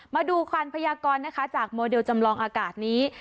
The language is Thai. มาดูควันพยากรนะคะจากโมเดลจำลองอากาศนี้